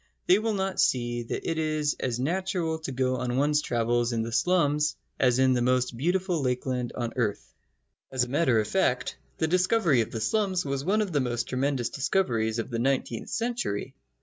They will not see that it is as natural to go on one's travels in the slums as in the most beautiful lakeland on earth. As a matter of fact, the discovery of the slums was one of the most tremendous discoveries of the nineteenth century.